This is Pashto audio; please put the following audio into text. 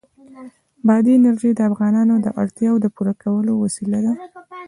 بادي انرژي د افغانانو د اړتیاوو د پوره کولو وسیله ده.